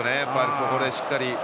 そこでしっかりと。